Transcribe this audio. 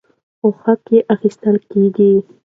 خو حق اخیستل کیږي.